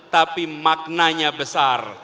tapi maknanya besar